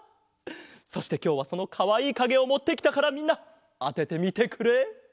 そしてきょうはそのかわいいかげをもってきたからみんなあててみてくれ。